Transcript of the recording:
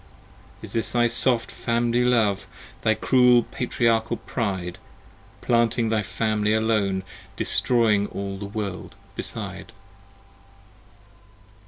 Is this thy soft Family Love, 95 Thy cruel Patriarchal pride, Planting thy Family alone, Destroying all the World beside?